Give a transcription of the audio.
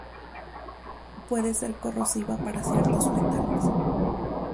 Puede ser corrosiva para ciertos metales.